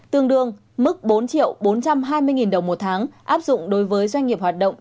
tương đương mức bốn triệu bốn trăm hai mươi đồng một tháng áp dụng đối với doanh nghiệp hoạt động